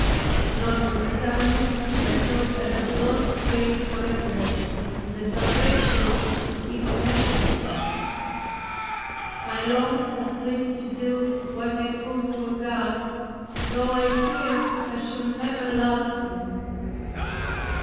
Notwithstanding, I thought I had lost grace forever, and the salvation which it merits for us, I longed at least to do what I could for God, though I feared I should never love Him.